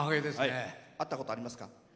会ったことありますか？